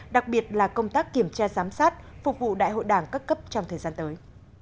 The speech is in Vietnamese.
đặc biệt là công tác kiểm tra giám sát phục vụ đại hội đảng các cấp trong thời gian tới